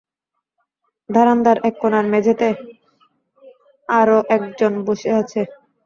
ধারান্দার এক কোণার মেঝেতে আরো একজন বসে আছে।